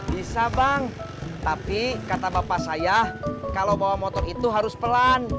bisa bang tapi kata bapak saya kalau bawa motor itu harus pelan